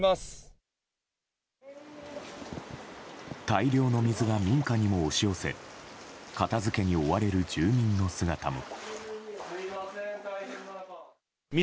大量の水が民家にも押し寄せ片づけに追われる住民の姿も。